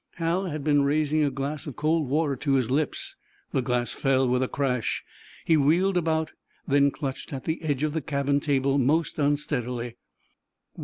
Hal had been raising a glass of cold water to his lips. The glass fell, with a crash. He wheeled about, then clutched at the edge of the cabin table, most unsteadily.